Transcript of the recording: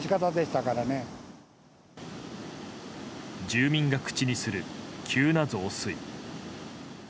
住民が口にする急な増水。